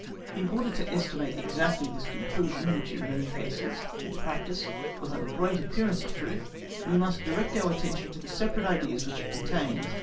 In order to estimate exactly this conclusion, which, in many cases in practice, will have a great appearance of truth, we must direct our attention to the separate ideas which it contains.